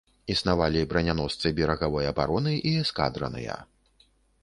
Існавалі браняносцы берагавой абароны і эскадраныя.